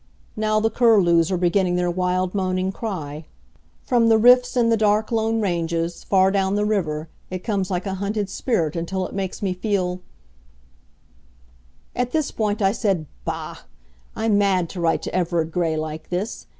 Now the curlews are beginning their wild moaning cry. From the rifts in the dark lone ranges, far down the river, it comes like a hunted spirit until it makes me feel At this point I said, "Bah! I'm mad to write to Everard Grey like this.